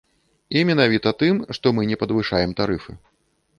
І менавіта тым, што мы не падвышаем тарыфы.